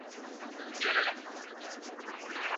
ماشوم د مور په غېږ کې په ډېرې بې وسۍ سترګې پټې کړې.